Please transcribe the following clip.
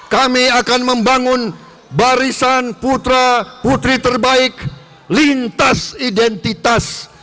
kami akan membangun barisan putra putri terbaik lintas identitas